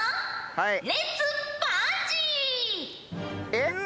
えっ？